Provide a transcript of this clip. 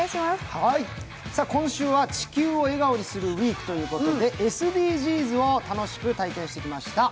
今週は「地球を笑顔にするＷＥＥＫ」ということで、ＳＤＧｓを楽しく体験してきました。